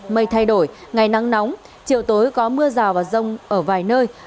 mây thay đổi ngày nắng nóng chiều tối có mưa rào và rông ở vài nơi